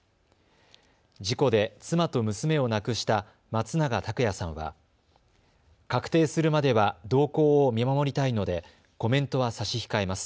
事故で妻と娘を亡くした松永拓也さんは確定するまでは動向を見守りたいのでコメントは差し控えます。